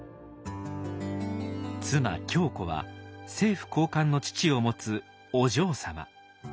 妻鏡子は政府高官の父を持つお嬢様。